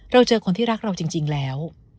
เราเจอคนที่รักเราจริงแล้ว